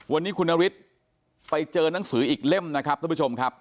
วันนี้คุณนฤทธิ์ไปเจอนังสืออีกเล่มนะครับท่านผู้ชมครับ